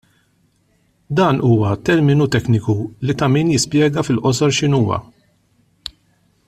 Dan huwa terminu tekniku li ta' min jispjega fil-qosor x'inhuwa.